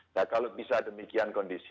nah kalau bisa demikian